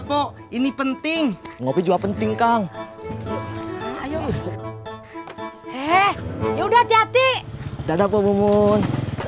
mau ini penting ngopi juga penting kang ayo eh ya udah jati dadah bu mun